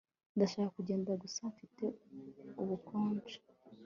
Ndashaka kugenda gusa mfite ubukonje